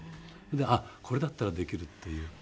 あっこれだったらできるっていう。